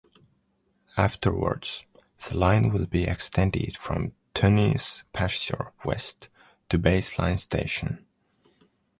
Afterwards, the line will be extended from Tunney's Pasture west to Baseline station.